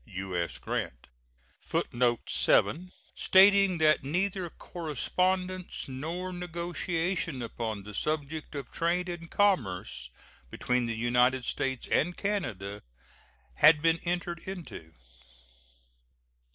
U.S. GRANT. [Footnote 7: Stating that neither correspondence nor negotiation upon the subject of trade and commerce between the United States and Canada had been entered into.